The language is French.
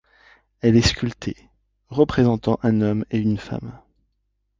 Elle est sculptée, représentant un homme et une femme.